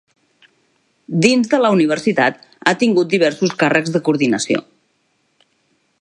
Dins de la universitat ha tingut diversos càrrecs de coordinació.